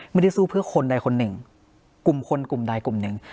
ไม่ได้สู้เพื่อคนใดคนหนึ่งกลุ่มคนกลุ่มใดกลุ่มหนึ่ง